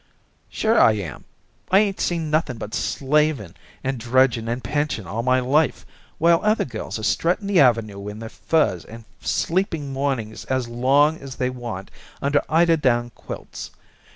"Sure I am. I 'ain't seen nothing but slaving and drudging and pinching all my life, while other girls are strutting the Avenue in their furs and sleeping mornings as long as they want under eider down quilts.